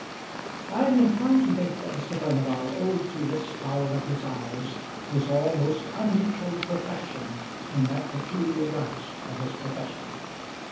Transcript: I am inclined to think that Mr. Furnival owed to this power of his eyes his almost unequalled perfection in that peculiar branch of his profession.